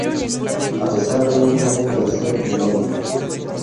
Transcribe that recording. A pesar de ello no deja de ser melódica.